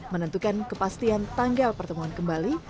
menentukan kepastian tanggal pertemuan kembali